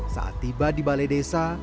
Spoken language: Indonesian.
saat tiba di balai desa